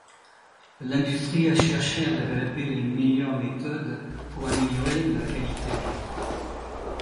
L'industrie a cherché à développer les meilleures méthodes pour améliorer la qualité.